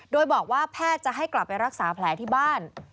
โดยบอกว่าแพทย์จะให้กลับไปรักษาแผลที่บ้าน